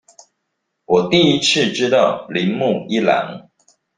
我第一次知道鈴木一朗